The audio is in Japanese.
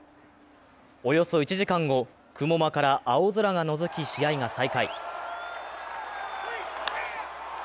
およそ１時間後、雲間から青空がのぞき、試合が再開。